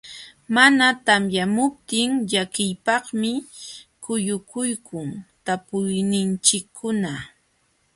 Mana tamyamuptin llakiypaqmi quyukuykun talpuyninchikkuna.